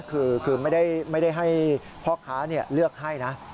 คือไม่ได้ให้พ่อค้าเลือกให้นะ